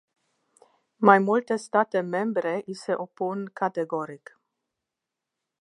Mai multe state membre i se opun categoric.